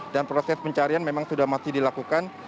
dan proses pencarian memang sudah masih dilakukan